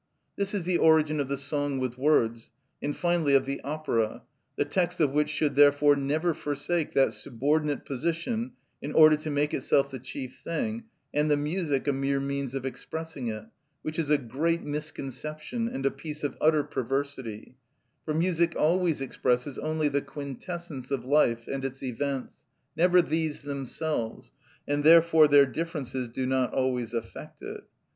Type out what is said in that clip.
This is the origin of the song with words, and finally of the opera, the text of which should therefore never forsake that subordinate position in order to make itself the chief thing and the music a mere means of expressing it, which is a great misconception and a piece of utter perversity; for music always expresses only the quintessence of life and its events, never these themselves, and therefore their differences do not always affect it.